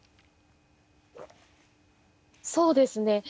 そうですね